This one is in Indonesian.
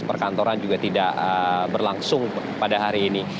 perkantoran juga tidak berlangsung pada hari ini